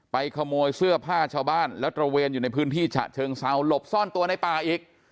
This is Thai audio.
ขโมยเสื้อผ้าชาวบ้านแล้วตระเวนอยู่ในพื้นที่ฉะเชิงเซาหลบซ่อนตัวในป่าอีก